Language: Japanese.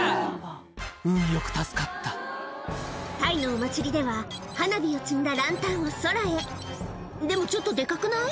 運よく助かったタイのお祭りでは花火を積んだランタンを空へでもちょっとデカくない？